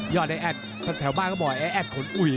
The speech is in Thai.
ยอดแอดแถวบ้านก็บอกแอดขน